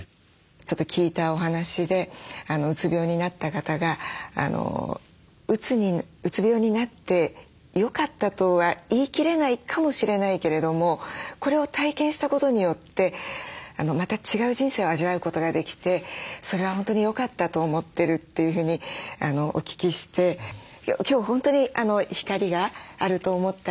ちょっと聞いたお話でうつ病になった方がうつ病になってよかったとは言い切れないかもしれないけれどもこれを体験したことによってまた違う人生を味わうことができてそれは本当によかったと思ってるというふうにお聞きして今日本当に光があると思ったので。